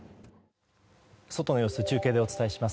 外の様子中継でお伝えします。